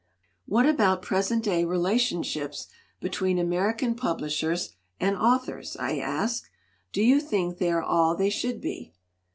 "What about present day relationship between American publishers and authors?" I asked. "Do you think they are all they should be?"